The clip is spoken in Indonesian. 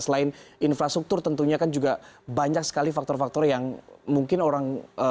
selain infrastruktur tentunya kan juga banyak sekali faktor faktor yang mungkin orang